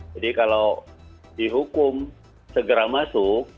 jadi kalau dihukum segera masuk